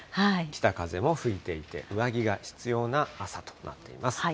北風も吹いていて、上着が必要な朝となっています。